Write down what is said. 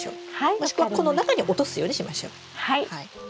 もしくはこの中に落とすようにしましょう。